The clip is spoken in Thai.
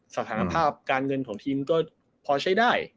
สถานภาพการเงินของทีมก็พอใช้ได้